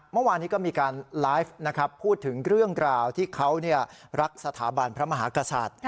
เมื่อวานนี้ก็มีการไลฟ์นะครับพูดถึงเรื่องกล่าวที่เขารักสถาบันพระมหากษัตริย์